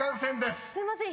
すいません。